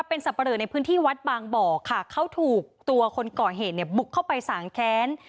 เป็นสับปะเลอในพื้นที่วัดบางบ่อค่ะเขาถูกตัวคนก่อเหตุเนี่ยบุกเข้าไปสางแค้น